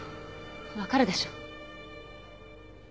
わかるでしょ？